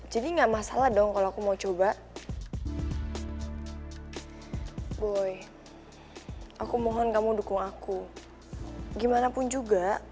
jadi nggak masalah dong kalau aku mau coba boy aku mohon kamu dukung aku gimanapun juga